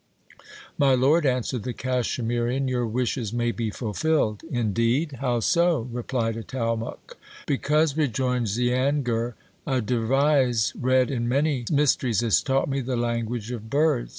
My lord, answered the Cachemirian, your wishes may be fulfilled. Indeed ! How so ? replied Atalmuc. Because, rejoined Zeangir, a dervise read in many mysteries, has taught me the language of birds.